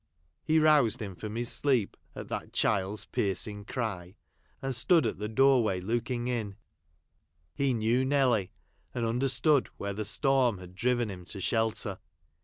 He roused him from his sleep, at that child's piercing cry, and stood at the door way looking in. He knew Nelly, and understood where the storm had driven him to shelter.